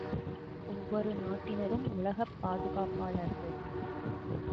ஒவ்வொரு நாட்டினரும் உலகப் பாதுகாப்பாளர்கள்!